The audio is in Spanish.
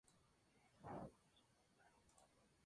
Sin embargo, la mayoría viven en el fondo o relacionados al mismo.